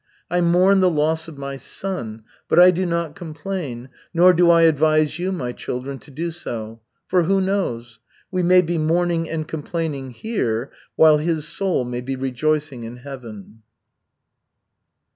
I mourn the loss of my son, but I do not complain, nor do I advise you, my children, to do so. For who knows? We may be mourning and complaining here while his soul may be rejoicing in Heaven."